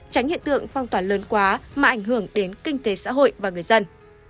tránh hiện tượng phong tỏa lớn quá mà ảnh hưởng đến kinh tế xã hội và người dân